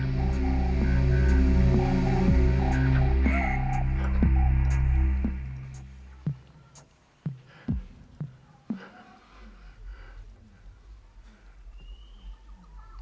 ternyata aku sendiri